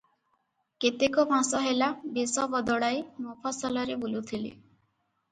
କେତେକ ମାସ ହେଲା ବେଶ ବଦଳାଇ ମଫସଲରେ ବୁଲୁଥିଲେ ।